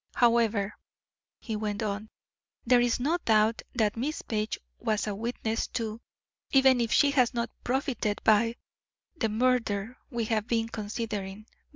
However," he went on, "there is no doubt that Miss Page was a witness to, even if she has not profited by, the murder we have been considering.